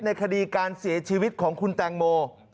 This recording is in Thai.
คดีการเสียชีวิตของคุณแตงโม